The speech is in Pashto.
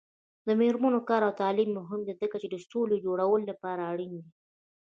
د میرمنو کار او تعلیم مهم دی ځکه چې سولې جوړولو لپاره اړین دی.